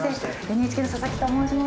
ＮＨＫの佐々木と申します。